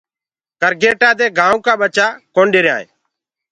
ڪرگيٽآ دي گآيوُنٚ ڪآ ٻچآ ڪونآ ڏريآئينٚ۔